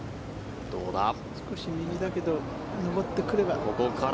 少し右だけど上ってくれば。